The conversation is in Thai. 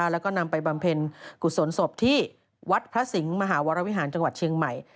แล้วก็นำไปบำเพ็ญกุศลศพที่วัดพระสิงห์มหาวรวิหารจังหวัดเชียงใหม่